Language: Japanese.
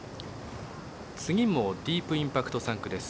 次もディープインパクト産駒です。